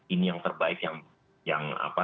ini yang terbaik yang